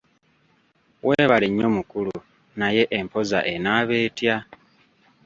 Weebale nnyo mukulu, naye empoza enaaba etya?